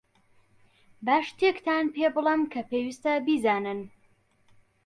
با شتێکتان پێبڵێم کە پێویستە بیزانن.